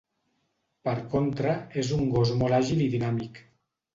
Per contra, és un gos molt àgil i dinàmic.